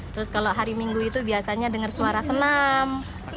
terus kalau hari minggu itu biasanya dengar suara senam